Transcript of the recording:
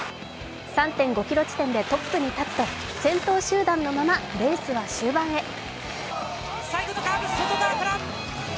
３．５ｋｍ地点でトップに立つと先頭集団のままレースは終盤へ。